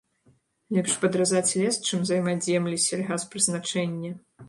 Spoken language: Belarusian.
Лепш падразаць лес, чым займаць землі сельгаспрызначэння.